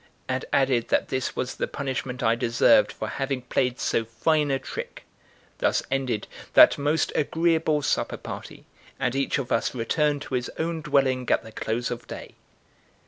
and added that this was the punishment I deserved for having played so fine a trick. Thus ended that most agreeable supper party, and each of us returned to his own dwelling at the close of day.